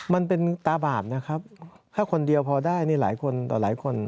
มันเป็นตาบาปนะครับถ้าคนเดียวพอได้นี่หลายคนต่อหลายคน